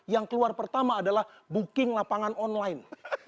yang keluar pertama adalah booking lapangan online